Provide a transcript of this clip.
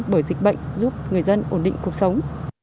bởi dịch bệnh giúp người dân ổn định cuộc sống